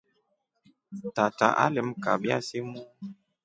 Tata alemkabya simu.